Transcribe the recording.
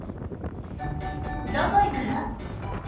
「どこいく？」